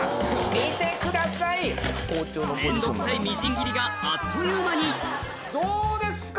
面倒くさいみじん切りがあっという間にどうですか！